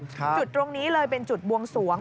จุดตรงนี้เลยเป็นจุดบวงสวง